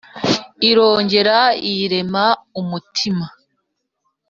Irongera iyirema umutima